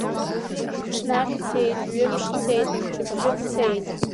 Ҽнак цеит, ҩымш цеит, мчыбжьык цеит.